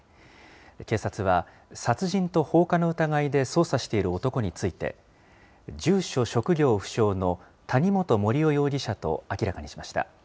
警察は殺人と放火の疑いで捜査している男について、住所職業不詳の谷本盛雄容疑者と明らかにしました。